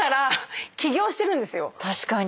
確かに。